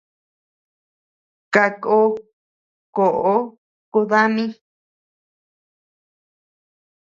Kakó koʼo ku dami.